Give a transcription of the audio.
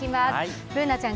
Ｂｏｏｎａちゃん